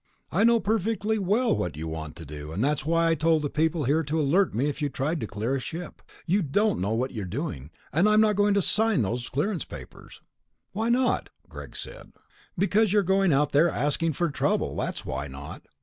"I know perfectly well what you want to do, that's why I told the people here to alert me if you tried to clear a ship. You don't know what you're doing ... and I'm not going to sign those clearance papers." "Why not?" Greg said. "Because you're going out there asking for trouble, that's why not."